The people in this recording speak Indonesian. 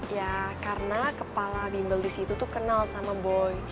ya karena kepala bimbel disitu tuh kenal sama boy